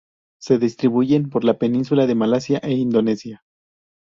Se distribuyen por la Península de Malasia e Indonesia.